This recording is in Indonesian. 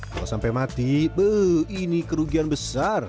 kalau sampai mati ini kerugian besar